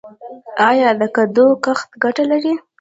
آیا د کدو کښت ګټه لري؟